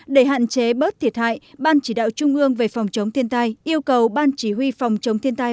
để hạn chế bớt thiệt hại ban chỉ đạo trung ương về phòng chống thiên tai yêu cầu ban chỉ huy phòng chống thiên tai